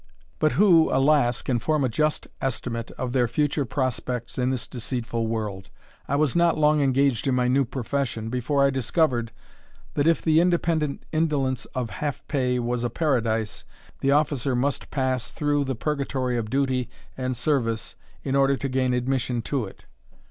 But who, alas! can form a just estimate of their future prospects in this deceitful world? I was not long engaged in my new profession, before I discovered, that if the independent indolence of half pay was a paradise, the officer must pass through the purgatory of duty and service in order to gain admission to it.